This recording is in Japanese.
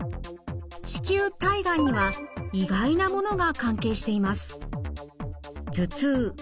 子宮体がんには意外なものが関係しています。